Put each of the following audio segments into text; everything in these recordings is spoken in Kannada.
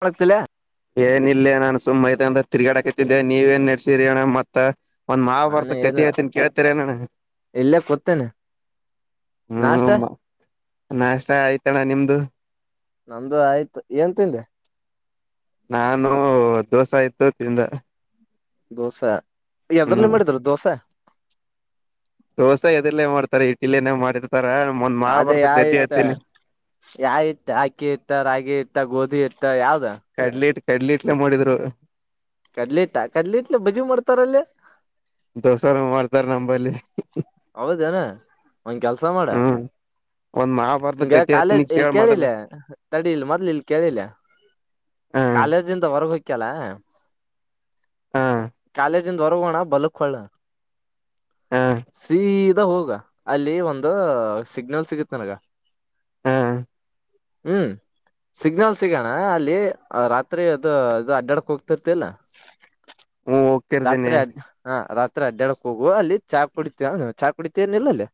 ಪಳತಲ್ಲ ಏನ ಇಲ್ಲೇ ನಾನು ಮೈದಾನದ ತಿರ್ಗಾಡಾಕತಿದ್ದೆ ನೀವ ಏನ್ ನಡೆಸಿರಿಣ ಮತ್ತ ಮಾವ ಒಂದ್ ಮಾವ ನಾನು ಬರ್ತ ಕತಿ ಏನಿಲ್ಲ ಆತನ್ ಕೇಳ್ತರನಣ ಇಲ್ಲೇ ಕೊತೇನೆ ಹ್ಮ್ ನಾಷ್ಟ ಆಯ್ತಣ್ಣ ನಿಮ್ದು ನಮ್ದು ಆಯ್ತು ಏನ್ ತಿಂದ್ರೆ ನಾನು ದೋಸೆ ಇತ್ತು ತಿಂದ ದೋಸೆ ಹ್ಮ್ ಎದ್ರಲ್ಲಿ ಮಾಡಿದ್ರು ದೋಸೆ ದೋಸೆ ಎಲ್ಲೇ ಮಾಡ್ತಾರ ಇಡ್ಲನೇ ಮಾಡಿರ್ತಾರ ಒಂದ್ ಮಾ ಬರ್ದ ಗದಿ ಹತ್ತೀನಿ ಯಾವ ಇತ್ತ ಅಕ್ಕಿ ಇತ್ತ ರಾಗಿ ಇತ್ತ ಗೋಧಿ ಇತ್ತ ಯಾವ್ದ ಕಡ್ಲೆ ಇಟ್ ಕಡಡ್ಲಿ ಇಟ್ಲೆ ಮಾಡಿದ್ರು ಕದಲಿಟ್ಟ ಕದಲಿಟ್ಲೆ ಬಜಿ ಮಾಡ್ತಾರಲ್ಲಿ ದೋಸಾರ ಮಾಡ್ತಾರ ನಂಬಲ್ಲಿ ಹೌದೇನ ಒಂದ್ ಕೆಲ್ಸ ಮಾಡ ಹ್ಮ ಒಂದ್ ಮಾ ಹಿಂಗ ಕಾಲೇಜ್ ಇಲ್ಲಿ ಕೇಳಿಲ್ಲ ತಡಿ ಇಲ್ ಮೊದ್ಲ ಇಲ್ ಕೇಳಿಲ್ಲ ಹ ಕಾಲೇಜಿಂದ ಹೊರ್ಗ ಹಕ್ಕ್ಯಲ್ಲ ಹ ಹ ಕಾಲೇಜಿಂದ ಹೊರಗೋಣ ಬಲಕ್ಕೊಳ್ಳೋಣ ಹಾ ಸೀದಾ ಹೋಗ ಅಲ್ಲಿ ಒಂದು ಸಿಗ್ನಲ್ ಸಿಗತ್ ನನಗ ಹ್ಮ್ ಸಿಗ್ನಲ್ ಸಿಗೋಣ ಅಲ್ಲಿ ರಾತ್ರಿ ಅದು ಅದು ಅಡ್ಡಾಡ್ಕ್ ಹೋಗ್ತಿರ್ತಿಲ್ಲ ಹ್ಮ ರಾತ್ರಿ ಹೋಗ್ತಿರ್ತೀನಿ ಅ ಹಾ ರಾತ್ರಿ ಅಡ್ಡ್ಯಾಡಕ್ ಹೋಗು ಅಲ್ಲಿ ಚಾ ಕುಡಿತವಿ ಚಾ ಕುಡಿತನ ಇಲ್ಲ ಅಲ್ಲಿ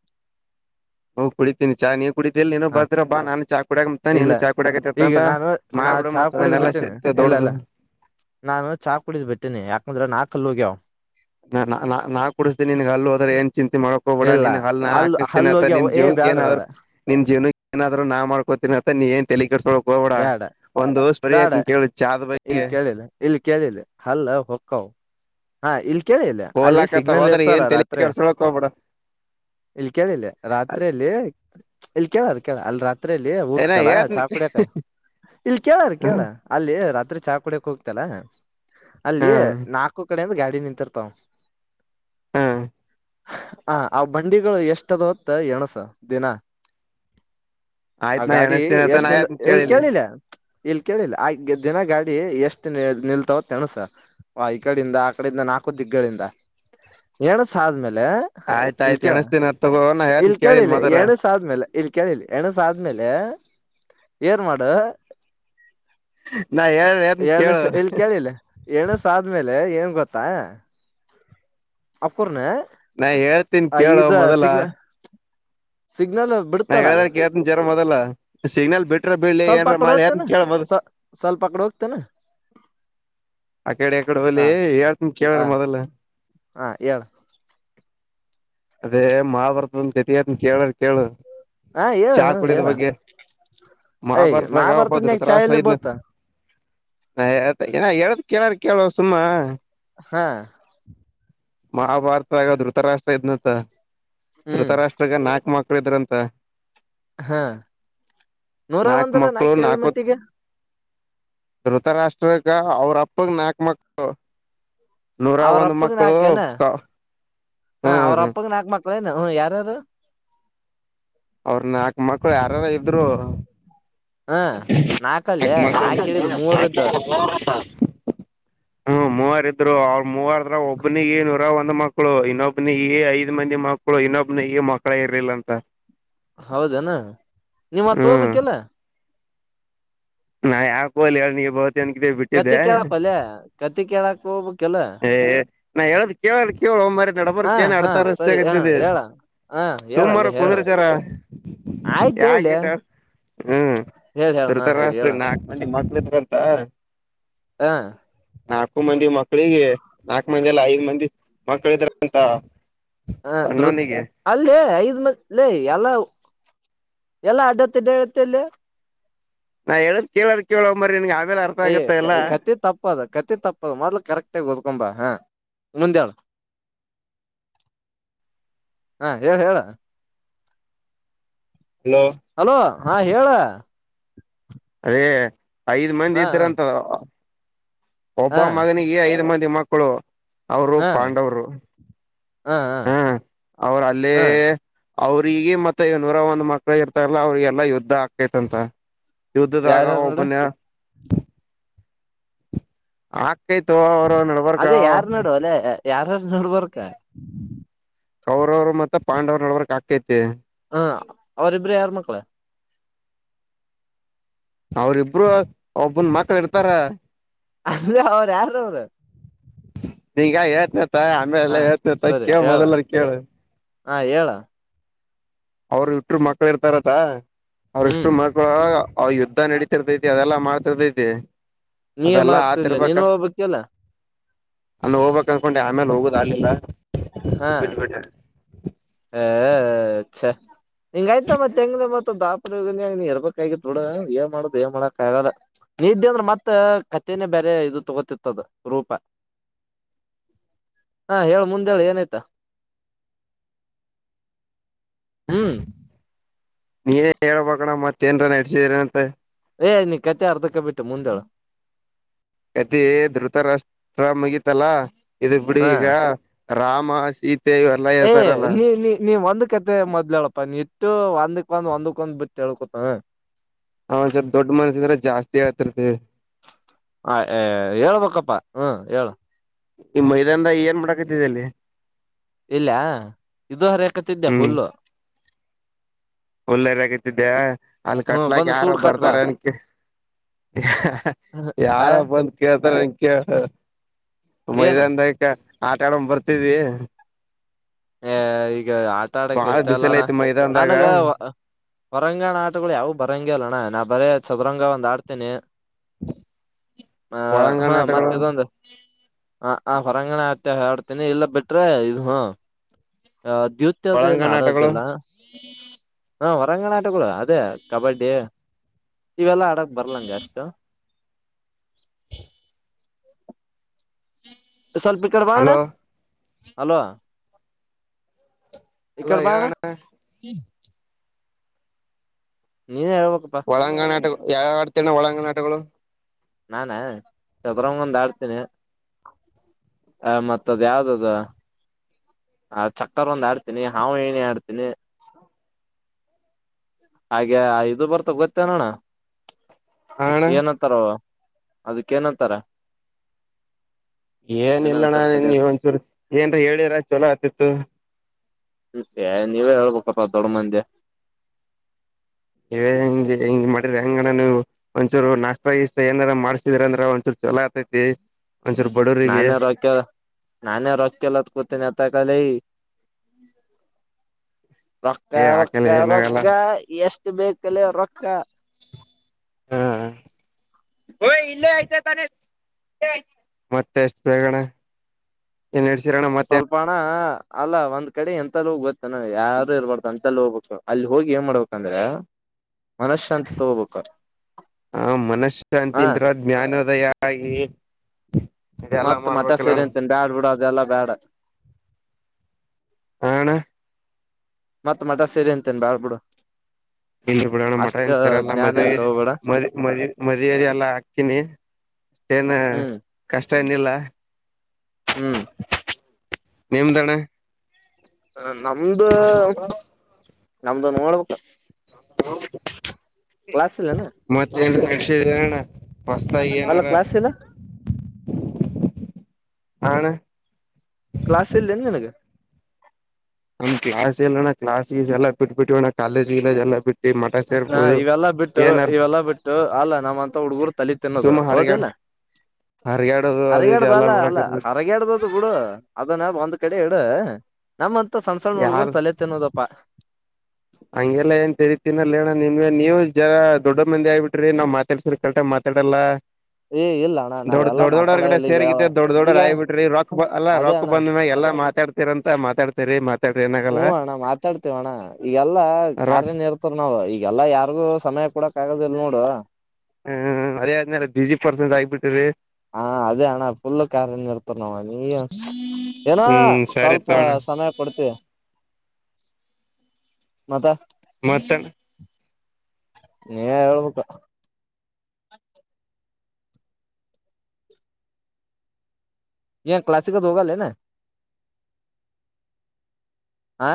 ಹ ಕುಡಿತಿನಿ ಚಾ ನೀ ಕುಡೀ ನೀನು ಹ ಬಂದ್ರ ಬಾ ನಾನು ಚಾ ಕುಡಕತ ಇಲ್ಲ ನೀನು ಚಾ ಕುಡಕತ ಈಗ ಅಂತ ನಾನು ನಾ ಮಾಡ್ಬಿಡು ಚಾ ಮತ್ತತ್ ಕುಡಿದ್ ಅದನ್ನೆಲ್ಲಾ ಬಿಟ್ಟೇನೆ ಸಿಗ್ತೆ ಇಲ್ಲ ದೊಡ್ಡ್ದು ಇಲ್ಲ ನಾನು ಚಾ ಕುಡಿದ್ರ್ತೇನೆ ಯಾಕಂದ್ರೆ ನಾಕ ಕಲ್ಲು ಹೋಗ್ಯವು ನಾ ನಾ ಕ ಕುಡಿಸತೀನಿ ನಿನ್ ಅಲ್ಲಿ ಹೋದ್ರ ಏನ್ ಚಿಂತೆ ಮಾಡ ಹೋಗಬಿಡಾ ಇಲ್ಲ ನೀನ್ ಹಲ್ ಹಲ್ಲ ಹಾಕಿಸ್ತೀನಿತ ಹೋಗ್ಯಾವ ನಿನ್ ಏ ಜೀವಕ್ ಬ್ಯಾಡ ಏನಾದ್ರು ಬ್ಯಾಡ ನಿನ್ ಜೀವನ ಏನ್ರು ನಾ ಮಾಡ್ಕೋತೀನ ಅಂತ ನೀನ್ ನ್ ತಲಿ ಕಸಕ ಗೋಬಡ ಬ್ಯಾಡ ಒಂದ್ ದೋಷಫರಿ ಬ್ಯಾಡ ಆಯ್ತ ಕೇಳಿ ಚಾದ್ ಇಲ್ಲಿ ಬಗ್ಗೆ ಕೇಳಿಲ್ಲ ಇಲ್ಲಿ ಕೇಳಿಲ್ಲ ಅಲ್ಲ ಹೊಕ್ಕವು ಹಾ ಇಲ್ ಕೇಳಿಲ್ಲ ಅಲ್ಲಿ ಹೋಲಾಕತ್ತ ಸಿಗ್ನಲ್ ಹೋದ್ರೆ ಇರ್ತಲ್ಲ ಏನ್ ತಲಿ ರಾತ್ರಿ ಕೆಡ್ಸ್ಕೊಳಕ್ ಹೋಗ್ಬೇಡ ಇಲ್ ಕೇಳಿಲ್ಲ ರಾತ್ರಿಯಲ್ಲಿ ಇಲ್ ಕೇಳಾರ ಕೇಳ ಅಲ್ಲಿ ರಾತ್ರಿ ಹತ್ರಲ್ಲಿ ಏನ ಹೋಗ್ತಲ್ಲಾ ಹೇಳ್ತಿನಿ ಚಾ ಕುಡಿಯಕ ಇಲ್ ಕೇಳಾರ ಕೇಳ ಅಲ್ಲಿ ರಾತ್ರಿ ಚಾ ಕುಡಿಯಕ್ ಹೋಗ್ತಲ ಅಲ್ಲಿ ಹಾ ನಾಲ್ಕು ಕಡೆಯಿಂದ ಗಾಡಿ ನಿಂತಿರ್ತಾವ ಹಾ ಹ ಆ್ ಬಂಡಿಗಳು ಎಷ್ಟದ ಹೊತ್ತ ಎಣಸು ದಿನ ಆಯ್ತ್ ಆ ನಾ ಗಾಡಿ ಎಣಸ್ತೀನಿ ಅಂತ ನಾ ಎಷ್ಟ ನಿಂದ ಹೇಳ್ತಿನ್ ಎಲ್ಲಿ ಕೇಳಿಲ್ಲಿ ಕೇಳಿಲ್ಲ ಇಲ್ ಕೇಳಿಲ್ಲ ಆ ದಿನ ಗಾಡಿ ಎಷ್ಟು ನಿಲ್ತಾವತ್ತ ಅನ್ಸ ವ ಈ ಕಡಿಂದ ಆ ಕಡಿಂದ ನಾಲ್ಕು ದಿಕ್ಕಗಳಿಂದ ಎಸ ಆದ್ಮೇಲೆ ಆಯ್ತಾಯ್ತು ಇಲ್ಕಣ ಎಣಸ್ತೀನಿ ಅಂತ ತಗೋ ನಾ ಹೇಳ್ತಿನ್ ಇಲ್ಕಣ ಕೇಳಿಲ್ ಇಲ್ಲ ಮೊದಲ ಏನ ಇಲ್ ಕೇಳಿಸಿ ಕೇಳು ಆದಮೇಲೆ ಏನ್ ಮಾಡ ನಾ ಹೇಳ್ ಹೇಳ್ತಿನ್ ಎ ಕೇಳು ಇಲ್ಲಿ ಕೇಳಿಲ್ಲ ಎಣಸ ಆದ್ಮೇಲೆ ಏನ್ ಗೊತ್ತಾ ಅಕೂರ್ನ ನಾ ಹೇಳ್ತೀನ್ ಕೇಳೋ ಮೊದಲ ಸಿಗ್ನಲ್ ನಾ ಬಿಡ್ತಲ್ಲ ಹೇಳಿದಾರ ಎತನ್ ಜವರ ಮದಲ್ಲ ಸಿಗ್ನಲ್ ಬಿಟ್ರ ಬಿಡ್ಲಿ ಸ್ವಲ್ಪ ಆ ಏನ್ರ ಕಡೆ ಮಾಡಿ ಯನ್ ಹೋಗ್ತೇನ ಕೇಳ್ಬೋದು ಸ ಸ್ವಲ್ಪ ಆ ಕಡೆ ಹೋಗ್ತೇನ ಅಕಡೆ ಅಕಡೆ ಹಾ ಹೊಲಿ ಹೇಳ್ತನಿ ಕೇಳಾರ ಮೊದಲ ಹಾಂ ಏಳು ಅದೇ ಮಾ ಭಾರತ ಜತ ಅದನ್ ಕೇಳ್ರ ಕೇಳ ಹಾ ಹೇಳ ಚಾ ಹ್ಮ ಕುಡಿದ ಹೇಳ ಬಗ್ಗೆ ಯ್ ಮಹಾಭಾರತಾಗ ಒಬ್ಬ ಮಹಾಭಾರತನ್ಯಾಗ ಚಾ ಎಲ್ಲಿ ಧೃತರಾಷ್ಟ್ರ ಇದನ ಬತ್ತ ಹಾಳ್ತ ಏನ ಹೇಳದ ಕೇಳಾರ ಕೇಳುವ ಸುಮ್ಮ ಹಾ ಮಹಾಭಾರತಗ ಧೃತ ರಾಷ್ಟ್ರ ಇದ್ನಂತ ಹ್ಮ್ ಧೃತರಾಷ್ಟ್ರಗ ನಾಕ್ ಮಕ್ ಮಕ್ಕಳು ಇದ್ದರಂತೆ ಹಾ ನೂರ ನಾಕ್ ಒಂದಲ್ಲ ನಾ ಮಕ್ಳು ಕೇಳಿದ ಮಟ್ಟಿಗೆ ಧೃತ ರಾಷ್ಟ್ರಕ್ಕ ಅವ್ರ ಅಪ್ಪಗ್ ನಾಕ್ ಮಕ್ಳು ನೂರ ಒಂದ್ ಅವ್ರಪ್ಪಗ್ ಮಕ್ಳು ನಾಕ ಏನ ಹ ಅವ್ರ ಅಪ್ಪಗ್ ನಾಕ್ ಮಕ್ಳ ನು ಹ ಯಾರ್ಯಾರು ಅವ್ರ ನಾಲ್ಕ್ ಮಕ್ಳು ಯಾರಾರ ಇದ್ರು ಹ [unintelligible] ನಾಕಲ್ಲೇ ನಾ ಕೇಳಿದ್ ಮೂರದ್ದ ಹ್ಮ ಮೂವರ್ ಇದ್ರು ಅವ್ರ ಮೂವರ್ ಒಬ್ಬನಿಗೆ ಏನು ಒಂದ್ ನೂರ್ ಒಂದು ಮಕ್ಕಳುಮಕ್ಕಳು ಇನ್ನೊಬ್ನ ಈ ಐದ್ ಮಂದಿ ಮಕ್ಕಳು ಇನ್ನೊಬ್ನ ಈ ಮಕ್ಕಳ ಇರ್ಲಿಲ್ಲ ಅಂತ ಹೌದನಾ ನೀವ್ ಹತ್ ಹ್ಮ್ ಹೋಗ್ಬೇಕಲ್ಲ ನಾ ಯಾಕು ಅಲ್ಲಿ ಹೇಳನ ಬತನ್ಗ ಬಿಟ್ಟಿದ್ದೆ ಅತಿ ಕೇಳಕ್ಕೆ ಹೋಗಬೇಕಿಲ್ಲ ಹ ನಾ ಹೇಳದ್ ಕೇಳದ ಕೇಳುವ ಮ ನಡಬರ್ ಹ ನ್ ಹಾ ಅಡ್ತಾರ ರಸ್ತೆ ಸರಿ ಹ ಆಗತ್ತಿದೆ ಹೇಳ ಹ ಸುಮಾರ ಕುಂದ್ರಚಾರ ಆಯ್ತ್ ಹೇಳಿ ಹೇಳ ಧೃತರಾಷ್ಟ್ರನಿಗೆ ನಾಕು ಮಂದಿ ಮಕ್ಳಿದ್ರಂತ ಹಾ ನಾಲ್ಕು ಮಂದಿ ಮಕ್ಕಳಿಗೆ ನಾಕು ಮಂದಿ ಎಲ್ಲ ಐದ್ ಮಂದಿ ಮಕ್ಳಿದ್ರ ಅಂತ ಹಾ ದೃ ಅಲ್ಲೇ ಐದ್ ಮಲ್ಲೇ ಎಲ್ಲ ಎಲ್ಲ ಅಡ್ಡತ್ತ ಅಡ್ಡಡತ್ತ ಅಲ್ಲಿ ನಾ ಹೇಳದ್ ಕೇಳಾರ ಕೇಳಂಬರಿ ನಿನ್ಗೆ ಆಮೇಲೆ ಅರ್ಥ ಏ ಆಗತ್ತಲ್ಲ ಕತಿ ತಪ್ಪದ ಕತ್ತ ತಪ್ಪದ ಮೊದ್ಲು ಕರೆಕ್ಟಗ ಓ್ಕಬ ಹಾ ಮುಂದೇಳ ಹಾ ಹೇಳ ಹೇಳ ಹಲೋ ಅಲೋ ಹಾ ಹೇಳ ಅದೇ ಐದ್ ಮಂದಿ ಹಾ ಹಾ ಇದ್ರಂತದ ಒಬ್ಬ ಹಾ ಮಗನಿಗೆ ಐದ್ ಮಂದಿ ಮಕ್ಕಳು ಅವರು ಪಾಂಡವರು ಹಾ ಹಾ ಹ ಅವರು ಅಲ್ಲಿ ಹಾ ಅವ್ರಿಗೆ ಮತ್ತೆ ಏನೂರ ಒಂದ್ ಮಕ್ಳ ಇರ್ತಲ್ಲ ಅವ್ರಿಗೆಲ್ಲಾ ಯುದ್ಧ ಆಗ್ತೈತ್ಂತ ಯುದ್ಧದಾಗ ಯಾರ್ಯಾರ ನೋಡು ಒಬ್ಬನ್ಯ ಆಕೈತು ಅವರು ನಡ ಅದೇ ಯಾರ್ ನೋಡುವಲ್ಲ ಯಾರ ನೋಡ್ಬರ್ಕ ಕೌರವ್ರು ಮತ್ತ ಪಾಂಡವ್ರು ನಡಬರ್ಕ್ ಆಾಕ್ಕೈತಿ ಹ ಅವರಿಬ್ಬ್ರ ಯಾರ್ ಮಕ್ಳ ಅವ್ರಿಬ್ರು ಒಬ್ಬನ ಮಕ್ಳ ಇರ್ತಾರ ಅ ಅವ್ರ ಯಾರ ಅವ್ರ ಈಗ ಹೇಳ್ತೇತ ಆಮೇ ಹ ಎಲ್ಲ ಹೇಳ್ತೇತ ಸರಿ ಕೇಳ ಹೇಳ ಮೊದಲವರು ಕೇಳ ಹಾ ಹೇಳ ಅವರು ಇಟ್ರು ಮಕ್ಳ ಇರ್ತಾರತಾ ಅವ್ರಿಷ್ಟು ಹ್ಮ್ ಮಕ್ಕಳ ಅವ ಯುದ್ಧ ನಡೀತಿರ್ದೈತಿ ಅದೆಲ್ಲಾ ಮಾಡ್ತಿರ್ದೈತಿ ನೀಯೇ ಮಾಡ ಆಕ್ತದಿಲ್ಲ ನೀನು ಹೋಗ್ಬೇಕಕ್ಕೆಲ್ಲಾ ಅಲ್ಲಿ ಹೋಗ್ಬೇಕಕ್ ಅನ್ಕೊಂಡೆ ಆಮೇಲೆ ಹೋಗುದ ಆಲಿಲ್ಲ ಬಿಟ್ಟ ಬಿಟ್ಟ ಹ ಅಛಾ ಹಂಗ ಆಯ್ತಾ ಮತ್ತೆ ಹೆಂಗ್ ಮತ್ತ ದಾ ನೀ ಎರ್ಬಬೇಕಕ್ ಆಗಿತ್ ನೋಡ ಏ ಮಾಡುದ್ ಏ ಮಾಡಕ್ ಆಗಲ್ಲ ನಿದ್ದೆ ಅಂದ್ರೆ ಮತ್ತ ಕಥೆನೆೇ ಬೇರೆ ಇದು ತಗೋತಿತ್ತದ ರೂಪ [unintelligible] ಹಾ ಹೇಳಳ್ ಮುಂದೆೇಳಿ ಏನಾಯ್ತಾ ಹ್ಮ್ ನೀ ಹೇಳ್ಬಣ ಮತ್ತೇಏನ್ರ ನಡ್ಸಿದೀನ ಅಂತೆ ಏ್ ನೀ ಕತೆೆ ಅರ್ಧಕ ಬಿಟ್ಟು ಮುಂದೇಳು ಅದ ಧೃತ ರಾಷ್ಟ್ರ ಮುಗತಲ್ಲಾ ಇದು ಬಿಡಿ ಹಾ ಈಗ ರಾಮ ಸೀತೆಯವರು ಏ ನೀ ನೀ ನೀವ್ ಒಂದ ಕತೆ ಮೊದ್ಲ ಹೇಳಪ್ಪಾ ನೀ ಇಟ್ಟು ಒಂದಕ್ ಒಂದ್ ಒಂದಕ್ ಒಂದು ಬಿತ್ ಹೇಳ್ಕೊತ ಅವಂದ್ ಸ್ಲ್ಪ ದೊಡ್ಡ ಮಸ್ಸಿದ್ರೆ ಜಾಸ್ತಿ ಆಗ್ತರ್ತಿ ಹ ಹೇಳ್ಬೇಕಪ್ಪಾ ಹ್ಮ ಹೇಳು ಈ ಮೈದಾನದ ಏನ್ ಮಾಡಾಕತ ಅಲ್ಲಿ ಇಲ್ಲಯ ಇದು ಹರಕತಿದ್ಯಾ ಹುಲ್ಲು ಒಳ್ಳರಿ ಆಗತಿದ್ದೆ ಅಲ್ಲಿ ಹ್ಮ್ ಕಟ್ಲಾಕ ಬಂದು ಯಾರ ಸೂಡ್ ಕಟ್ಬಾ ಬರ್ತಾರ ಅನ್ ಯಾರ ಆ ಬಂದ್ ಕೇಳ್ತಾರ ಏನ ಮೈದಾನದಕ ಆಟ ಆಡ ಬರ್ತಿದಿ ಈಗ ಆಟ ಆಡಕ್ ಬಾಳ ಇಷ್ಟ ಬಿಸಿಲ ಅಲ್ಲಣ್ಣ ಐತಿ ಮೈದಾನದಾಗ ನನ್ಗ ಹೊರಂಗಣ ಆಟಗಳು ಯಾವು ಬರಂಗಿ ಅಲ್ಲಣ್ಣ ನಾ ಬರೀ ಚಬರಂಗ ಒಂದ ಆಡ್ತೇನಿ ಆ ಒಳಾಂಗಣ ಹಾ ಆಟಗಳು ಮತ್ತೆೊಂದು ಹ ಆ ಹೊರಂಗಣೆ ಆತ್ತ ಹಡ್ತೇನಿ ಇಲ್ಲ ಬಿಟ್ರೆ ಇದ್ ಅ ದ್ಯವತ್ಯದ ಏನ್ ಆಡೋದಲ್ಲ ಹ್ಮ್ ಹಾ ಹೊರಾಂಗಣ ಆಟಗಳು ಅದೇ ಕಬಡ್ಡಿ ಇವೆಲ್ಲಾ ಆಡಕ್ ಬರ್ಲಂಗೆ ಅಷ್ಟು ಸ್ವಲ್ಪ ಇ ಕಡೆ ಬಣ ಹಲೋ ಅಲ್ವಾ ಹಲೋ ಇಕ್ಕಡೆ ಬಾಣ್ಣ ಹೇಳಣ್ಣ ನೀನ ಹೇಳಳ್ಬೇಕಪ್ಪಾ ಒಳಾಂಗನಾಾಟಗಳು ಯಾವಡ್ತರ್ ನ ಒಳಾಂಗನಾಾಟಗಳು ನಾನ ಚಬರಂಗೊಂದ ಆಡ್ತೀನಿ ಆ ಮತ್ತದ್ ಯಾವ್ದದು ಆ ಚಕ್ಕರ್ ಒ್ ಆಡ್ತಿನಿ ಹಾವು ಏಣಿ ಆಡ್ತೀನಿ ಹಾಗೆ ಇದು ಬರ್ತ ಗೊತ್ತೇ ಅನೋಣ ಹಾ ಅಣ್ಣ ಏನಂತಾರ ಅದಕ್ಕ ಏನಂತಾರ ಏನಂತಾರ ಏನಿಲ್ಲಣ್ಣನ್ ತಡಿ ನೀವ ಒಂದಚೂರು ಏನ್ರ ಹೇಳಿರ ಚಲೋ ಆತಿತ್ತು ಹ್ಮ ಸ ನೀವೇ ಹೇಳ್ಬೇಕಪ್ಪ ದೊಡ್ಡ ಮಂದಿ ಇ ಹೆಂಗಗೆ ಹೆಂಗ್ ಮಾಡಿಿ ಹೆಂಗಣ್ಣನು ಒಂದಂಚೂರು ನಾಷ್ಟ ಇಷ್ಟ ಏನಾರ ಮಾಡ್ಸಿದ್ರ ಅಂದ್ರೆ ಒಂಚೂರು ಚಲ ಆತೈತಿ ಅಂಜರ್ ಬಡರ್ ನಾನೇ ರೊಕ್ಕ ನಾನ ರೊಕ್ಕಲತ್ ಕೊತನೆ ಅತ ಕಾಲ ರೊಕ್ಕ ಏ ರೊಕ್ಕ ಹಾಕಲ್ಲ ಏನಾಗಲ್ಲ ರೊಕ್ಕ ಎಷ್ಟು ಬೇಕಲ್ಲಿ ರೊಕ್ಕ ಹ್ಮ ಹಯ ಇಲ್ಲೇ ಆಯ್ತ ಮತ್ತೆ ಎಷ್ಟು ಬೇಗಣ ಏನ್ ಹಡ್ಸಿರೋಣ್ಣ ಮತ್ತೆ ಸ್ವಲ್ಪ ಅಲ್ಲ ಒಂದ್ ಕಡೆ ಎಂತ ಹೋಗಿ ಗೊತ್ತೆ ನ ಯಾರು ಇರ್ಬಾರ್ದು ಅಂತಲ್ಲಿ ಹೋಗ್ಬೇಕು ಅಲ್ಲಿ ಹೋಗಿ ಏನ್ ಮಾಡ್ಬೇಕು ಯಾಂದ್ರೆ ಮನಶಶಾಂತಿ ತಗೋಬೇಕ ಆ ಮನಶಶಾಂತಿನ್ ತರ ಜ್ಞಾನೋದಯ ಆಗಿ ಇದೆಲ್ಲಾ ಮತ್ತತ್ ಮಟೆ ಮಾಡ್ಬೇಕಲ್ಲ ಸೇರೆ ಅಣ್ಣ ಅಂತೇನ್ಿ ಬ್ಯಾಡ್ ಬಿಡ ಅದೆಲ್ಲಾ ಬ್ಯಾಡ ಆಣ ಮತ್ತತ್ ಮಟ ಸೇರಿ ಅಂತೇನ್ ಬಾಳ್ ಬಿಡು ಇಲ್ಲಿ ಬಿಡೋಣ ಮಠ ಅಷ್ಟ ಏ ಸರಿ ಎಲ್ಲ ಜ್ಞಾನ ಮದ್್ ಅಂತ ಹೋಗ್ಬೇಡ ಮದ್ ಮದುವದೆ ಎಲ್ಲಾ ಹಾಕ್ತೀನಿ ಏನು ಹ್ಮ್ ಕಷ್ಟ ಏನಿಲ್ಲ ಹ್ಮ್ ನಿಮ್ದಣೆ ನಮ್ದು ನಮ್ದು ನೋಡ್ಬೇಕ. ಹ. ಕ್ಲಾಸ್ ಇಲ್ಲೇನ ಮತ್ತೆಣ್ಣ ಮಸ್ತಾಗಿ ಅಲ್ಲ ಏನಾರ.. ಕ್ಲಾಸ್ ಇಲ್ಲ ಹಣ.. ಕ್ಲಸ್ ಎಲ್ಲಿ ನಿನ ನಗೆ ನಮ್ ಕ್ಲಾಸ್ ಎಲ್ಲಣ್ಣ ಕ್ಲಾಾಸಸ್ ಎಲ್ಲ ಬಿಟ್ಬಿಟ್ಟೋಣ ಹಾ ಇವೆಲ್ಲಾ ಬಿಟ್ಟು ಏನಾರ ಇವೆಲ್ಲಾ ಬಿಟ್ಟು ಅಲ್ಲ ನಮ್ಮಂತ ಹುಡ್ಗರು ತಲ ತಿನ್ನೋದು ಸುಮ್ಮ ಹರಿಗಾಡ್ ಹದಲ್ಲ ಹರಿಗಾಡೋದು ಅದು ಇದು ಹರಗಡ್ದು ಎಲ್ಲಾ ಅಲ್ಲ ಅಲ್ಲ ಮಾಡಕತ್ಬಿಟ್ಟ ಹರಗಡ್ದ.. ಬಿಡು ಅದನ ಒಂದ್ ಕಡೆ ಇಡು ನಮ್ಮಂತ ಸಣಸಣ್ಣ ಹುಡುಗರು ಯಾರ್ ತಲೆ ತಿನ್ನೋದಪ್ಪಾ.. ಹಂಗೆಲ್ಲಾ ಏನ್ ತರೀತೀನಲ್ಲೇಣ್ಣ ನಿಮ್ಗೆ ನೀವು ಜರ ದೊಡ್ಡ ಮಂದಿ ಆಗಿಬ ಬಿಟ್ರಿ ನಾವ್ ಮಾತಾಡ್ಸ ಕಟ ಮಾತಾಡಲ್ಲ ಏ ಇಲ್ಲ ಅಣ್ಣ ದೊಡ್ಡ ನಾವೆಲ್ಲಾ ದೊಡ್ಡ ದೊಡ್ಡವರಗಡೆ ಮಾತಾಡಲ್ಲ ಈಗ ಸೇರಿಗ ದೊಡ್ಡ ದೊಡ್ಡವರ ಈಗ ಆಗಬ ಬಿಟ್ರಿ ರೊಕ್ ಅಲ್ಲಾ ಅದೇ ರೊಕ್ ಅಣ್ಣ ಬಂದ್ಮ್ಯ ಎಲ್ಲಾ ಮಾತಾಡ್ತಿರಂತ ಮಾತಾಡ್ತಿರಿ ಮಾತಾಡ್ರಿ ಏನಾಗಲ್ಲ ಾ ಮಾತಾ ಇೇವಣ್ಣ ಈಗೆಲ್ಲ ರೊಕ್ ಕಾರ್ಯನ ಇರ್ತ ನಾವವು ಈಗೆಲ್ಲಾ ಯಾರಿಗೂ ಸಮಯ ಕೊಡಕ್ ಆಗದ ಇಲ್ ನೋಡು ಹ್ಮ್ ಅದೇ ಆದ್ಮೇಲೆ ಬಿಸಿಿ ಪರ್ಸನ್ ಆಗ್ಬಿಟ್ರಿ ಹಾ ಅದೇ ಅಣ್ಣ ಫುಲ್ ಕಾರಾರ್ನ್ ಇರ್ತಾರ ನಾವ್ ನೀ ಏನೋ ಹ್ಮ್ ಸರಿ ಸ್ವಲ್ಪ ತೋಣ ಸಮಯ ಕೊಡ್ತಿೀವಿ ಮತ ಮತ್ತ ನೀ ಹಬೇಕ ಯ ಕ್ಲಾಸಿಕಲ್ದ ಹೋಗಲ್ಲೇನ ಆ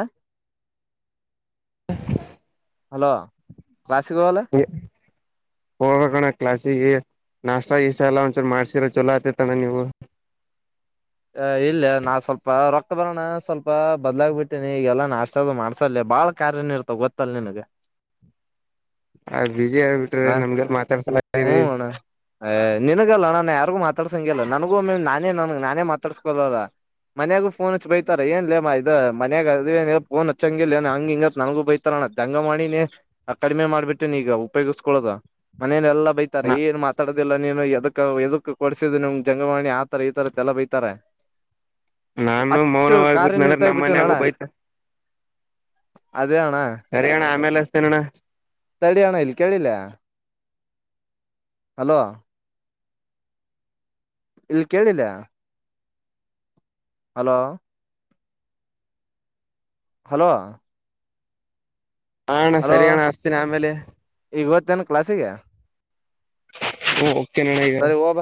ಹಲೋ ಕಶಿಗವಾಲೆ ಹ್ಮ ಹೋಗಕಣ ಕ್ಲಾಸಿಗೆ ನಾಷ್ಟ ಇಷ್ಟ ಎಲ್ಲ ಒಂದಚೂರು ಮಾಡ್ಸರ ಚೊಲೋ ಆತತಣ್ಣ ನೀವು ಅಹ ಇಲ್ಲ ನಾ ಸ್ವಲ್ಪ ರಕ್ತ ಬರೋರಣ ಸ್ವಲ್ಪ ಬದ್ಲಾಗ್ಬ ಬಿಡ್ತೇನೆ ಈಗೆಲ್ಲಾಶ ಅ ಮಾಡ್ಸೆ ಬಾಳ ಕಾರ್ಯನ ಇರ್ತಾವ ಗೊತ್ತಲ್ಲ ನಿನಗೆ ಆ್ ಬಿಜಿ ಆಗ್ಿಬ ಬಿಟ್ರಿ ನಮಗೆಲ್ ಮಾತಾಡ್ಸಲರಿ ಅ ನಿನಗಲ್ಲ ನಾನ್ ಯಾರಿಗು ಮಾತಾಡ್ಸಂಗಿಲ್ಲ ನನ್ಗೂ ನಾನೇ ನನ್ ನಾನೇ ಮಾತಾಡ್ಸ್ಕೊಲ್ಲಲ್ಲ ಮನ್ಯಾಗು ೋನ್ ಹಚ್ಚಚ್ ಬೈತಾರ ಏನ್ೇಮ್ಮ ಇದು ಮನ್ಯಾಗ ಅದ ೋನ್ ಹಚ್ಚಂಗಿಲ್ಲ ಹಂಗ ಹಿಂಗ ನನಗೂ ಬೈತ ಣ ದಂಗ ಮಾಡಿನೇ ಕಡಿಮೆ ಮಾಡ್ಬಿಟ್ಟೆೇನ್ ಈಗ ಉಪಯೋಗಿಸಸ್ಕೊದ ಮನೇಲ್ಲಾ ಬೈತಾರೆ ನ ಏನ್ ಮಾತಾಡೋುದಿಲ್ಲ ನೀನು ಎದ ಎದ ಕೊಡಿಸಿದ ನಿಮ್ ಜಂಗವಾಣಿ ಆ ತರ ಈ ತರಲ್ಲ ಬೈತ ನಾನು ಅಷ್ಟು ಮೌನವಾಗಿಬಿಟ್ಟನ ಅಂದ್ರೆ ಕಾರ್ಯನರ್ತಾಗ ನಮ್ಮ್ ಬಿಟ್ಟು ನಣ ಮನ್ಯಾಗೂ ಬೈತ ಅದೇಣ ಸರಿ ಅಣ್ಣ ಆಮೇಲೆ ಅಸ್ತೇನೋಣ್ಣ ತಡಿ ಅಣ್ಣ ಇಲ್ಲಿ ಕೇಳಿಲ್ಲಿ ಹಲೋ ಇಲ್ ಕೇಳಿದ ಹಲೋ ಹಲೋ ಹಣ್ಣ ಸರಿ ಅಣ್ಣ ಅಸ್ತೀಿನ ಆಮೇಲೆ ಈ ಇವತ್ತೇನ ಕ್ಲಾಸಿಗೆ ಓ ಓಕೆ ನಣ್ಣ ಈಗ ಸರಿ ಹೋಗ